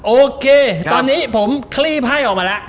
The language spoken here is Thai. โอเคตอนนี้ผมคลี่ไพ่ออกมาแล้ว